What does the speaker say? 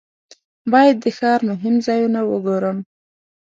باید د ښار مهم ځایونه وګورم.